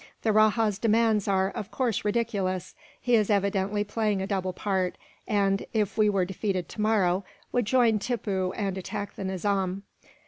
The rajah's demands are, of course, ridiculous. He is evidently playing a double part and, if we were defeated tomorrow, would join Tippoo and attack the Nizam.